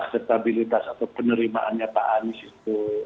akseptabilitas atau penerimaannya pak anies itu